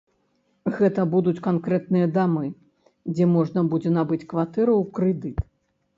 Гэта будуць канкрэтныя дамы, дзе можна будзе набыць кватэру ў крэдыт.